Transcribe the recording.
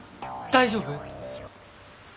大丈夫。